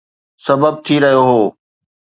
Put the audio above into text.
سبب ٿي رهيو هو